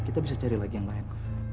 kita bisa cari lagi yang layak